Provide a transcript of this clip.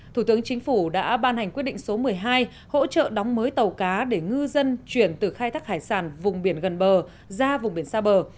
thủ tướng chính phủ đã ban hành quyết định số một mươi hai hỗ trợ đóng mới tàu cá để ngư dân chuyển từ khai thác hải sản vùng biển gần bờ ra vùng biển xa bờ